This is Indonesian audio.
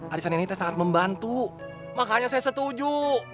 arisan ini sangat membantu makanya saya setuju